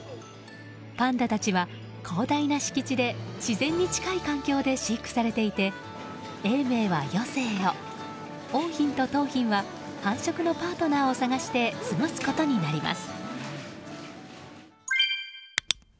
パンダたちは、広大な敷地で自然に近い環境で飼育されていて永明は余生を桜浜と桃浜は繁殖のパートナーを探して過ごすことになります。